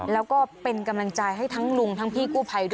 แล้วก็เป็นกำลังใจให้ทั้งลุงทั้งพี่กู้ภัยด้วย